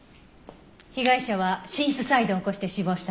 被害者は心室細動を起こして死亡したんです。